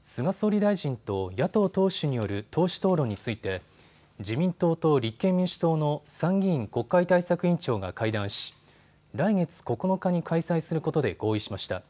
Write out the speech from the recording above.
菅総理大臣と野党党首による党首討論について自民党と立憲民主党の参議院国会対策委員長が会談し来月９日に開催することで合意しました。